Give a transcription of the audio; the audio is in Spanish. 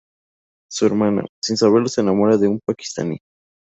Su hermana, sin saberlo, se enamora de un paquistaní.